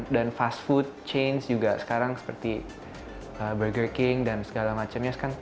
dan fast food chains juga sekarang seperti burger king dan segala macemnya